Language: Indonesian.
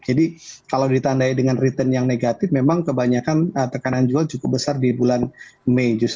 jadi kalau ditandai dengan return yang negatif memang kebanyakan tekanan jual cukup besar di bulan may